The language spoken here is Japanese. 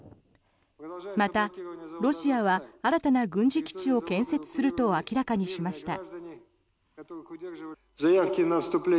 また、ロシアは新たな軍事基地を建設すると明らかにしました。